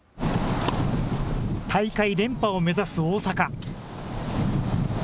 大会連覇を目指す大坂。